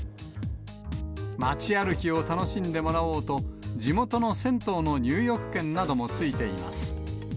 街歩きを楽しんでもらおうと、地元の銭湯の入浴券なども付いています。